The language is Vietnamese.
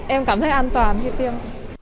em cảm thấy an toàn khi tiêm